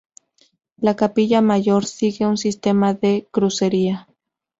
La Capilla Mayor sigue un sistema de crucería.